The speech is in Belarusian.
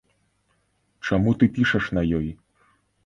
Чаму ты пішаш на ёй?